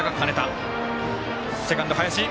セカンド、林。